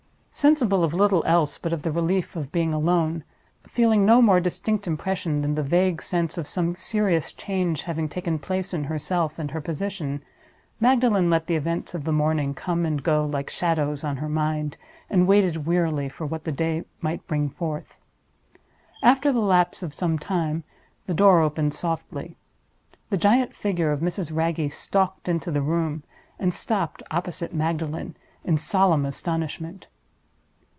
Sensible of little else but of the relief of being alone; feeling no more distinct impression than the vague sense of some serious change having taken place in herself and her position, Magdalen let the events of the morning come and go like shadows on her mind, and waited wearily for what the day might bring forth. After the lapse of some time, the door opened softly. The giant figure of Mrs. Wragge stalked into the room, and stopped opposite Magdalen in solemn astonishment.